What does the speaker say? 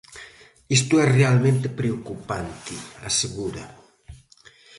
"Isto é realmente preocupante", asegura.